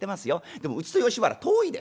でもうちと吉原遠いでしょ。